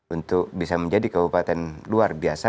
untuk bisa menjadi kabupaten luar biasa